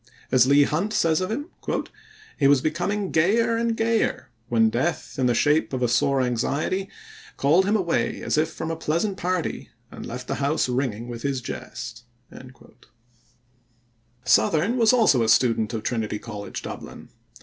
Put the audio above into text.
As Leigh Hunt says of him: "He was becoming gayer and gayer, when death, in the shape of a sore anxiety, called him away as if from a pleasant party, and left the house ringing with his jest." Southerne was also a student of Trinity College, Dublin.